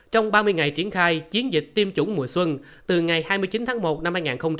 trong ba mươi ngày triển khai chiến dịch tiêm chủng mùa xuân từ ngày hai mươi chín tháng một năm hai nghìn hai mươi